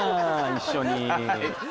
一緒に。